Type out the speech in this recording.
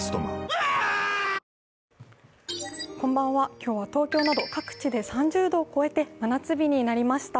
今日は東京など各地で３０度を超えて真夏日になりました。